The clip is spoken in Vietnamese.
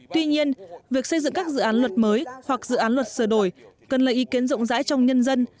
tuy nhiên việc xây dựng các dự án luật mới hoặc dự án luật sửa đổi cần lấy ý kiến rộng rãi trong nhân dân